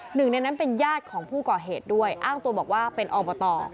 หนึ่งในนั้นเป็นญาติของผู้ก่อเหตุด้วยอ้างตัวบอกว่าเป็นอบต